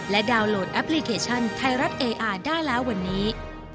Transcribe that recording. ดาวน์โหลดแอปพลิเคชันไทยรัฐเออาร์ได้แล้ววันนี้